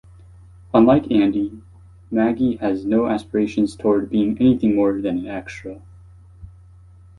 Unlike Andy, Maggie has no aspirations toward being anything more than an extra.